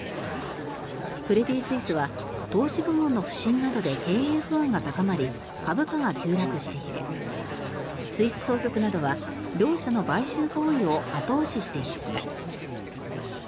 クレディ・スイスは投資部門の不振などで経営不安が高まり株価が急落していてスイス当局などは両社の買収合意を後押ししていました。